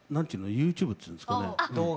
ＹｏｕＴｕｂｅっていうんですかね